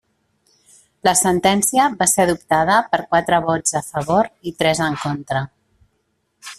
La sentència va ser adoptada per quatre vots a favor i tres en contra.